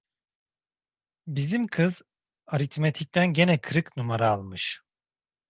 Bizim kız aritmetikten gene kırık numara almış!